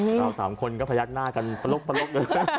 เราสามคนก็พยักหน้ากันปลกเลย